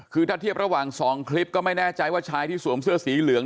คือถ้าเทียบระหว่าง๒คลิปก็ไม่แน่ใจว่าชายที่สวมเสื้อสีเหลือง